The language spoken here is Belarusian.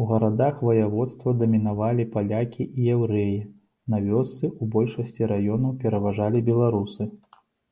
У гарадах ваяводства дамінавалі палякі і яўрэі, на вёсцы ў большасці раёнаў пераважалі беларусы.